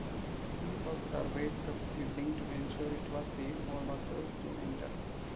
He first surveyed the building to ensure it was safe for workers to enter.